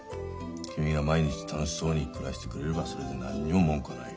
君が毎日楽しそうに暮らしてくれればそれで何にも文句はないよ。